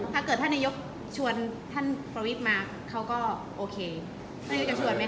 ถ้าเกิดท่านนายกชวนท่านประวิทย์มาเขาก็โอเคท่านนายกจะชวนไหมค